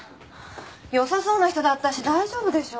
良さそうな人だったし大丈夫でしょ。